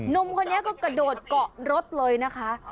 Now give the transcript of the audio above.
หนุ่มคนนี้ก็กระโดดเกาะรถเลยนะคะ